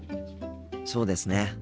そうですね。